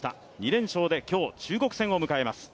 ２連勝で今日、中国戦を迎えます。